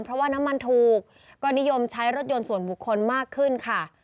เพราะว่าน้ำมันถูกก็นิยมใช้รถยนต์ส่วนบุคคลมากขึ้นค่ะ